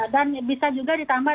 dan bisa juga ditambah